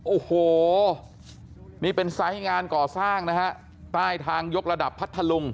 โอ้โหนี่เป็นไซส์งานก่อสร้างนะฮะใต้ทางยกระดับพัทธลุง